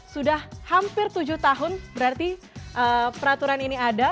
sudah hampir tujuh tahun berarti peraturan ini ada